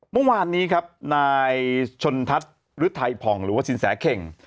เมื่อวานนี้ครับนายชนทัศน์ฤทัยผ่องหรือว่าสินแสเข่ง